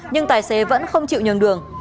nhưng tài xế vẫn không chịu nhường đường